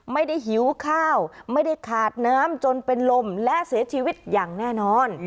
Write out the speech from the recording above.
หิวข้าวไม่ได้ขาดน้ำจนเป็นลมและเสียชีวิตอย่างแน่นอน